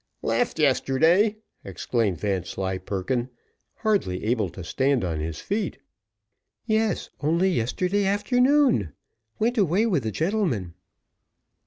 "Left yesterday!" exclaimed Vanslyperken, hardly able to stand on his feet. "Yes, only yesterday afternoon. Went away with a gentleman."